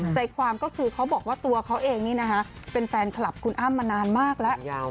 ใจความก็คือเขาบอกว่าตัวเขาเองนี่นะคะเป็นแฟนคลับคุณอ้ำมานานมากแล้ว